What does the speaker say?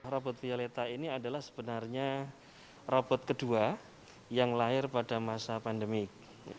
robot violeta ini adalah sebenarnya robot kedua yang lahir pada masa pandemik